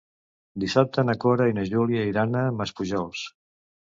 Dissabte na Cora i na Júlia iran a Maspujols.